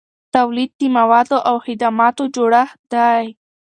تولید د موادو او خدماتو جوړښت دی.